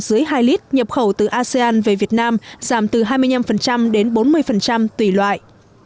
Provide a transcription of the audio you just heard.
dưới hai lit nhập khẩu từ asean về việt nam giảm từ hai mươi năm đến bốn mươi tùy loại